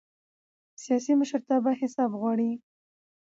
سیاسي مشرتابه حساب غواړي